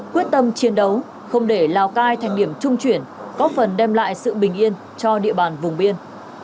quyết tâm chiến đấu không để lào cai thành điểm trung chuyển có phần đem lại sự bình yên cho địa bàn vùng biên